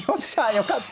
よかった。